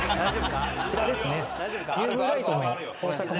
こちらですね。